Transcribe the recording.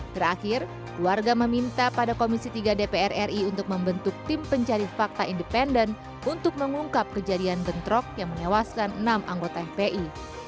terakhir warga meminta pada komisi tiga dpr ri untuk membentuk tim pencari fakta independen untuk mengungkap kejadian bentrok yang menewaskan enam anggota fpi